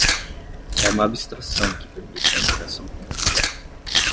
é uma abstração que permite a interação com o objeto